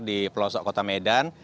di pelosok kota medan